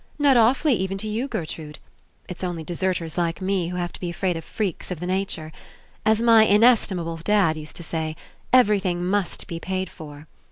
Not awfully, even to you, Gertrude. It's only deserters like me who have to be afraid of freaks of the nature. As my inesti mable dad used to say, 'Everything must be paid for.'